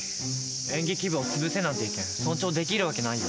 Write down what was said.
演劇部を潰せなんて意見尊重できる訳ないよ。